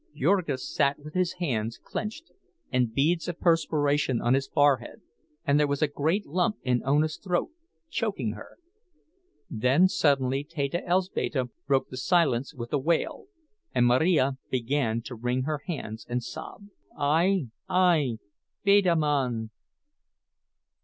Jurgis sat with his hands clenched and beads of perspiration on his forehead, and there was a great lump in Ona's throat, choking her. Then suddenly Teta Elzbieta broke the silence with a wail, and Marija began to wring her hands and sob, "_Ai! Ai! Beda man!